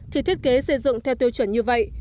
thì thiết kế xây dựng theo tiêu chuẩn như vậy